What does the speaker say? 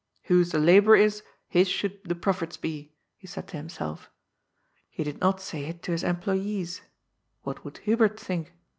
*' Whose the labour is, his should the profits be," he said to himself. He did not say it to his employes. What would Hubert think?